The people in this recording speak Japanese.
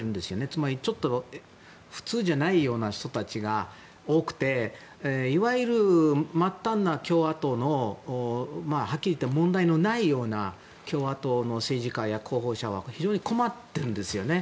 つまり、普通じゃないような人たちが多くていわゆる、共和党のはっきり言って問題のないような政治家や候補者は非常に困っているんですね。